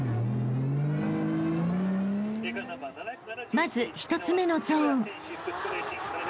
［まず１つ目のゾーン］